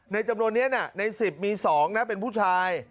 จำนวนนี้ใน๑๐มี๒นะเป็นผู้ชาย